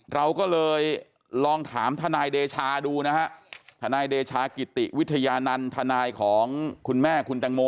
เราก็เลยลองถามทนายเดชาดูนะฮะทนายเดชากิติวิทยานันต์ทนายของคุณแม่คุณแตงโม